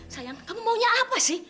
sayang kamu maunya apa sih